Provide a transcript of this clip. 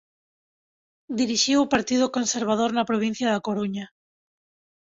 Dirixiu o Partido Conservador na provincia da Coruña.